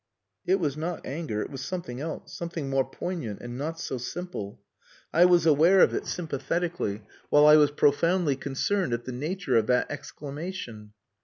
It was not anger; it was something else, something more poignant, and not so simple. I was aware of it sympathetically, while I was profoundly concerned at the nature of that exclamation.